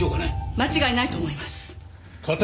間違いないと思います。